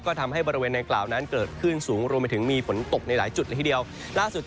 ก็ทำให้บริเวณนานกล่าวนั้นเกิดขึ้นสูงกับแต่ว่า